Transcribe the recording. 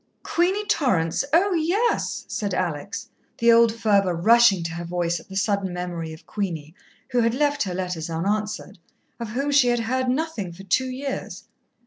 "Queenie Torrance? Oh, yes!" said Alex, the old fervour rushing to her voice at the sudden memory of Queenie, who had left her letters unanswered of whom she had heard nothing for two years.